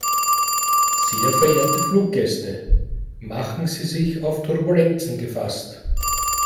Sehr verehrte Fluggäste, machen Sie sich auf Turbulenzen gefasst.